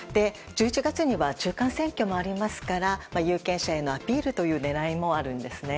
１１月には中間選挙もありますから有権者へのアピールという狙いもあるんですね。